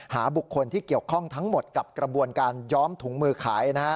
บุคคลที่เกี่ยวข้องทั้งหมดกับกระบวนการย้อมถุงมือขาย